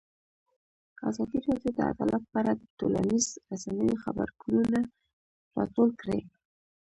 ازادي راډیو د عدالت په اړه د ټولنیزو رسنیو غبرګونونه راټول کړي.